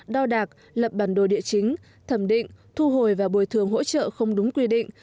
đo đạc lập bản đồ địa chính thẩm định thu hồi và bồi thường hỗ trợ không đúng quy định